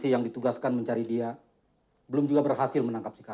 yang terima kasih